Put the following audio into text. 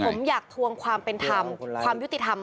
ผมอยากทวงความเป็นธรรมความยุติธรรม